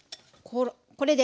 これで。